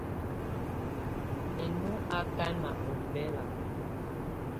Mɛ nɔ́ ákana ɔmbɛla.